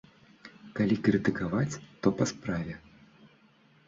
Калі крытыкаваць, то па справе.